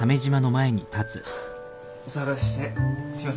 お騒がせしてすいませんでした。